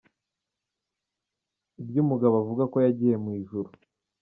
Iby’umugabo uvuga ko yagiye mu ijuru.